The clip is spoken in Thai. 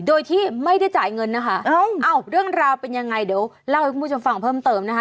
โดยที่ไม่ได้จ่ายเงินนะคะอ้าวเรื่องราวเป็นยังไงเดี๋ยวเล่าให้คุณผู้ชมฟังเพิ่มเติมนะคะ